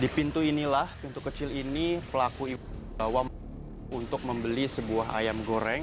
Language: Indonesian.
di pintu ini lah pintu kecil ini pelaku ibu bawa untuk membeli sebuah ayam